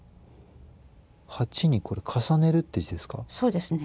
八にこれ重ねるって字ですか？